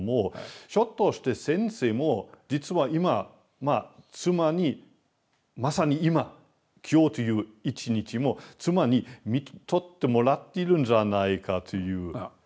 ひょっとして先生も実は今妻にまさに今今日という一日も妻に看取ってもらっているんじゃないかというそういう感覚で。